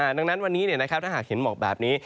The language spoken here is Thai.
ดังนั้นวันนี้ถ้าหากเห็นหมอกแบบนี้